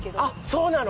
そうなの？